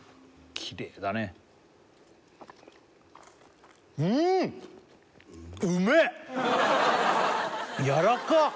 きれいだねうーん！やらかっ！